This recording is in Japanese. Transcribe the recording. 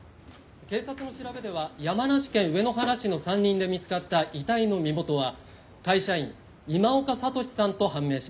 「警察の調べでは山梨県上野原市の山林で見つかった遺体の身元は会社員今岡智司さんと判明しました」